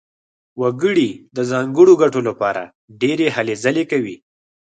وګړي د ځانګړو ګټو لپاره ډېرې هلې ځلې کوي.